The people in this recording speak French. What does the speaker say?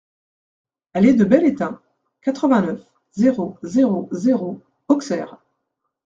Allée de Bel Étain, quatre-vingt-neuf, zéro zéro zéro Auxerre